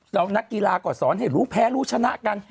แล้วนักกีฬาก็สอนให้รู้แพ้รู้ชนะกัน